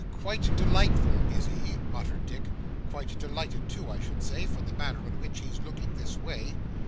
'Quite delightful, is he?' muttered Dick. 'Quite delighted too, I should say, from the manner in which he's looking this way.